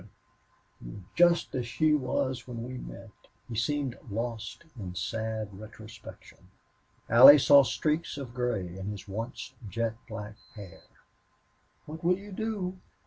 You are just as she was when we met." He seemed lost in sad retrospection. Allie saw streaks of gray in his once jet black hair. "What will you do?"